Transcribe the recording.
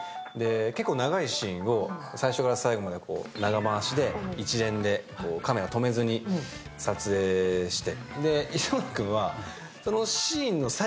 結構長いシーンを最初から最後まで長回しで一連でカメラを止めずに撮影して。